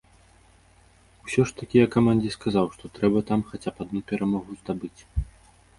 Усё ж такі я камандзе казаў, што трэба там хаця б адну перамогу здабыць.